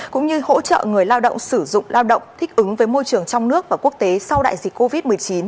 cũng như hỗ trợ người lao động sử dụng lao động thích ứng với môi trường trong nước và quốc tế sau đại dịch covid một mươi chín